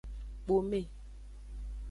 Kpome.